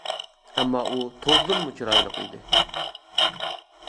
ئەمما ئۇ «توز» دىنمۇ چىرايلىق ئىدى.